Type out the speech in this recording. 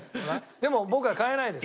でも僕は変えないです。